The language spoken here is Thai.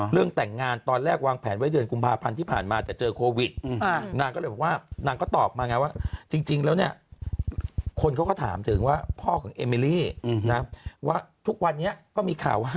เรื่องแต่งงานตอนเวลาทางเล่งวางแผนไว้แรง